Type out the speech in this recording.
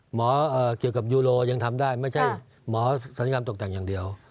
หมอเกี่ยวกับยูโรยังทำได้ไม่ใช่หมอสัญญาณตกแต่งอย่างเดียว